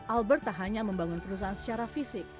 albert tak hanya membangun perusahaan secara fisik